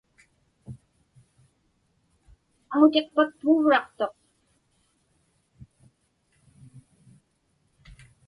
Aŋutiqpak puuvraqtuq.